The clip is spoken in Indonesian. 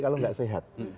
kalau tidak sehat